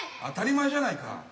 当たり前じゃないか。